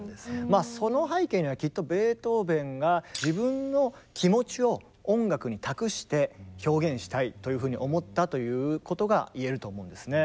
まあその背景にはきっとベートーベンが自分の気持ちを音楽に託して表現したいというふうに思ったということが言えると思うんですね。